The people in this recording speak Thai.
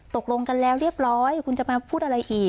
ตกลงกันแล้วเรียบร้อยคุณจะมาพูดอะไรอีก